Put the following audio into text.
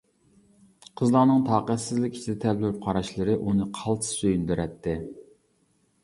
قىزلارنىڭ تاقەتسىزلىك ئىچىدە تەلمۈرۈپ قاراشلىرى ئۇنى قالتىس سۆيۈندۈرەتتى.